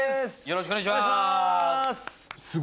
よろしくお願いします。